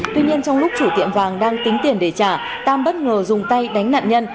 tuy nhiên trong lúc chủ tiệm vàng đang tính tiền để trả tam bất ngờ dùng tay đánh nạn nhân